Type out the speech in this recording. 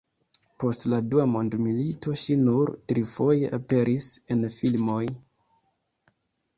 Post la dua mondmilito ŝi nur trifoje aperis en filmoj.